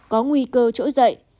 có nguy cơ trỗi dậy